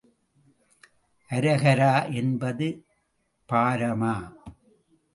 அரகரா என்பது பாரமா?